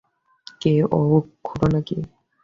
কে ও, খুড়ো নাকি?